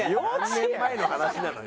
何年前の話なのよ。